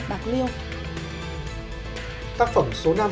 tác phẩm số năm